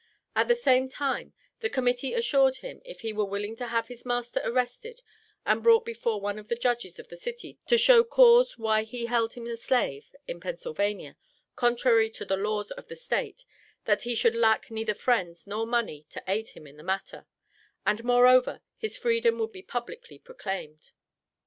At the same time the Committee assured him if he were willing to have his master arrested and brought before one of the Judges of the city to show cause why he held him a slave in Pennsylvania, contrary to the laws of the State, that he should lack neither friends nor money to aid him in the matter; and, moreover, his freedom would be publicly proclaimed.